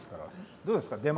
どうですか。